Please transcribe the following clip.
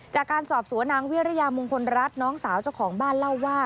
จากการสอบสวนนางวิริยามงคลรัฐน้องสาวเจ้าของบ้านเล่าว่า